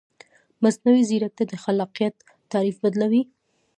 مصنوعي ځیرکتیا د خلاقیت تعریف بدلوي.